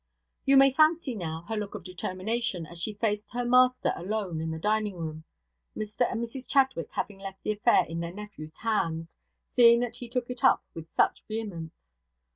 You may fancy, now, her look of determination, as she faced her master alone in the dining room; Mr and Mrs Chadwick having left the affair in their nephew's hands, seeing that he took it up with such vehemence.